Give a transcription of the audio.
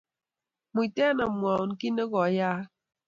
Muiten amwoun kiit nekoyaaka